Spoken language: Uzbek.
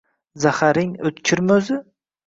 — Zaharing o‘tkirmi o‘zi?